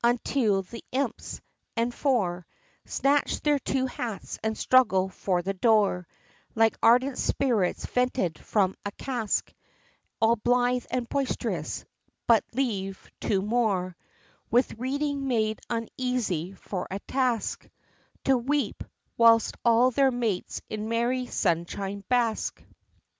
unto the imps, and four Snatch their two hats and struggle for the door, Like ardent spirits vented from a cask, All blithe and boisterous, but leave two more, With Reading made Uneasy for a task, To weep, whilst all their mates in merry sunshine bask, XXVII.